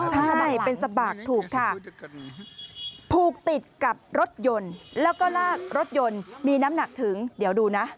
ใช่เป็นสบากถูกค่ะผูกติดกับรถยนต์แล้วก็ลากรถยนต์มีน้ำหนักถึงเดี๋ยวดูนะ